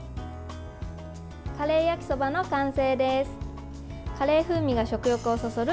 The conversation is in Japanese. カレー焼きそばの完成です。